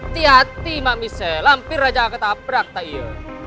tihati mami se lampir aja gak ketabrak tak iya